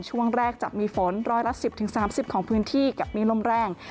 ช่วงแรกจะมีฝนรอยละสิบถึงสามสิบของพื้นที่กับมีลมแรง